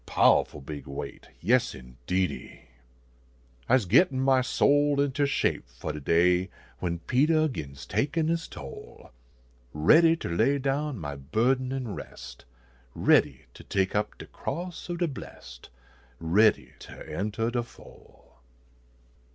Pow ful big weight ! Yes, indeedy ! I se gittin my soul inter shape fo de day When Peter gins takin is toll ; Readv ter lav down my burden an rest, Ready ter take up de cross ob de blest, Ready ter eutah de fol .